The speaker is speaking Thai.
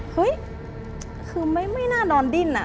เฮ้ยคือไม่น่านอนดิ้น